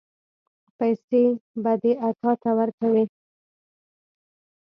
پيسې به دې اکا ته ورکوې.